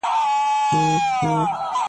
تور او سور زرغون کفن مي جهاني در څخه غواړم ,